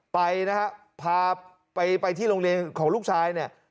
ไปนะฮะพาไปที่โรงเรียนของลูกชายเนี่ย